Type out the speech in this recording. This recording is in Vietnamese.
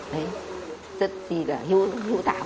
tất tỷ là hữu thảm